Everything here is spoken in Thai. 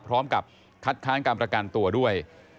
พร้อมกับคัดค้านการประกันตัวด้วย